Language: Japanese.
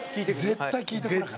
絶対聞いてこなかった？